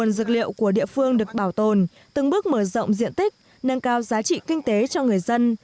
nguồn dược liệu của địa phương được bảo tồn từng bước mở rộng diện tích nâng cao giá trị kinh tế cho người dân